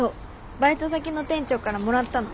バイト先の店長からもらったの。